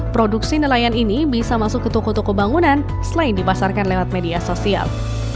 produksi nelayan ini bisa masuk ke toko toko bangunan selain dipasarkan lewat media sosial